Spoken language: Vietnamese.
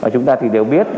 chúng ta đều biết